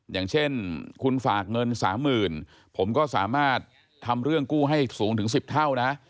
อย่างเช่นคุณฝากเงิน๓๐๐๐ผมก็สามารถทำเรื่องกู้ให้สูงถึง๑๐เท่านะ